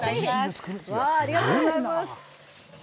ありがとうございます。